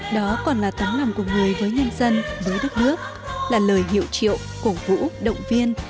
đó còn là tấm lòng của người với nhân dân với đất nước là lời hiệu triệu cổ vũ động viên